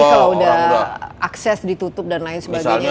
tapi kalau udah akses ditutup dan lain sebagainya